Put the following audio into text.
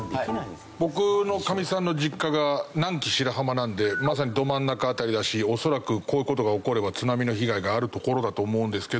僕のかみさんの実家が南紀白浜なんでまさにど真ん中辺りだし恐らくこういう事が起これば津波の被害がある所だと思うんですけど。